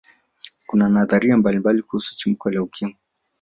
kuna nadharia mbalimbali kuhusu chimbuko la ukimwi